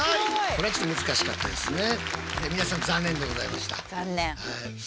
これはちょっと難しかったですね。